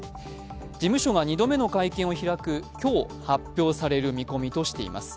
事務所が２度目の会見を開く今日、発表される見込みとされています。